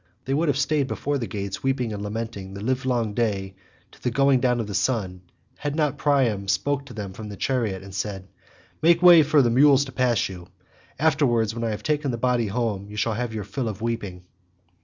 They would have stayed before the gates, weeping and lamenting the livelong day to the going down of the sun, had not Priam spoken to them from the chariot and said, "Make way for the mules to pass you. Afterwards when I have taken the body home you shall have your fill of weeping."